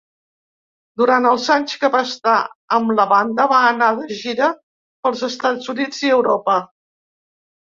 Durant els anys que va estar amb la banda, va anar de gira pels Estats Units i Europa.